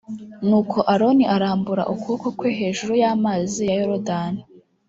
nuko aroni arambura ukuboko kwe hejuru y amazi ya yordani